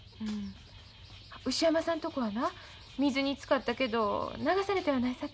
牛山さんとこはな水につかったけど流されてはないさかい。